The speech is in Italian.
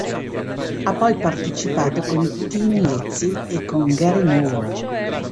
Ha poi partecipato con i Thin Lizzy e con Gary Moore.